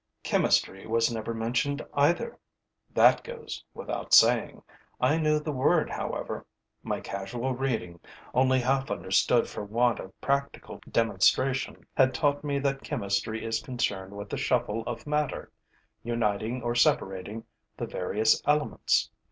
Chemistry was never mentioned either: that goes without saying. I knew the word, however. My casual reading, only half understood for want of practical demonstration, had taught me that chemistry is concerned with the shuffle of matter, uniting or separating the various elements.